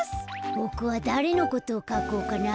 ボクはだれのことをかこうかな。